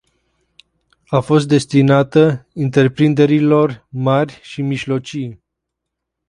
A fost destinată întreprinderilor mari și mijlocii.